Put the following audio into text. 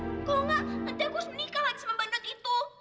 kalau enggak nanti aku harus menikah lagi sama bandat itu